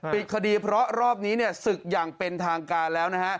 ปิดคดีเพราะรอบนี้ศึกอย่างเป็นทางการแล้วนะฮะ